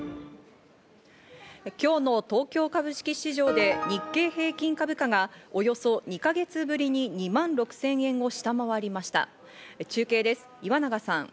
今日の東京株式市場で日経平均株価がおよそ２か月ぶりに２万６０００円を下回りました。